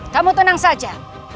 kamu tenang saja